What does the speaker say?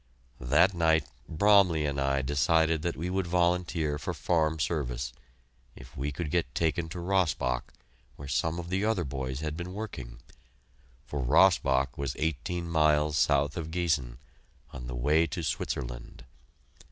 That night Bromley and I decided that we would volunteer for farm service, if we could get taken to Rossbach, where some of the other boys had been working, for Rossbach was eighteen miles south of Giessen on the way to Switzerland.